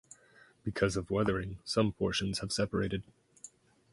Because of weathering, some portions have separated.